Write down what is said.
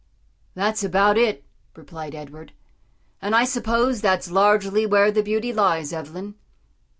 "That's about it," replied Edward, "and I suppose that's largely where the beauty lies, Evelyn."